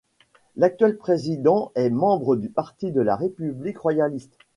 L'actuel président est membre du parti de la république royaliste.